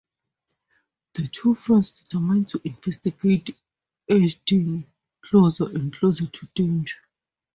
The two friends determine to investigate, edging closer and closer to danger.